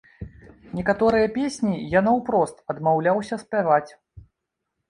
Некаторыя песні я наўпрост адмаўляўся спяваць.